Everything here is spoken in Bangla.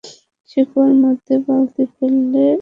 সে কুয়ার মধ্যে বালতি ফেললে ইউসুফ তা আঁকড়ে ধরেন।